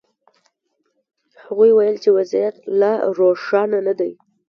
هغوی ویل وضعیت لا روښانه نه دی.